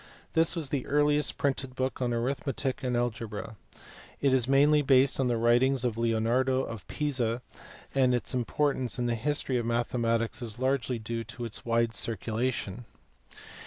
This was the earliest printed book on arithmetic and algebra. It is mainly based on the writings of Leonardo of Pisa, and its importance in the history of mathematics is largely due to its wide circulation.